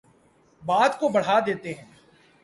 بات کو بڑھا دیتے ہیں